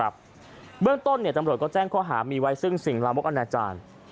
เบื้องต้นตำรวจก็แจ้งข้อหามีไว้ซึ่งสิ่งลามกอนาจารย์